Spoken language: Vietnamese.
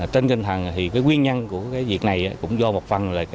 trên kinh thần thì cái nguyên nhân của cái việc này cũng do một phần là